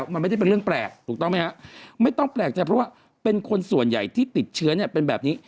ไม่ต้องแปลกจริงเพราะว่าเป็นคนส่วนใหญ่ที่ติดเชื้อเนี่ยเป็นแบบนี้